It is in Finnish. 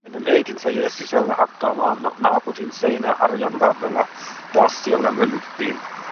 Hänen äitinsä jäi sisälle hakkaamaan naapurin seinää harjanvarrella, taas siellä mölyttiin.